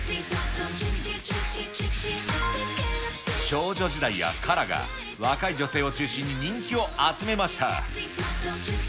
少女時代やＫＡＲＡが、若い女性を中心に人気を集めました。